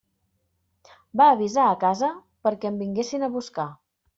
Va avisar a casa perquè em vinguessin a buscar.